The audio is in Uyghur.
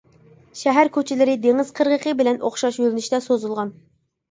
شەھەر كوچىلىرى دېڭىز قىرغىقى بىلەن ئوخشاش يۆنىلىشتە سوزۇلغان.